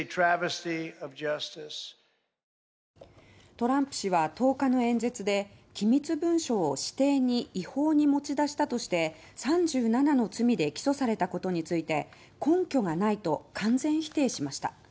トランプ氏は１０日の演説で機密文書を私邸に違法に持ち出したとして３７の罪で起訴されたことについて根拠がないと完全否定しました。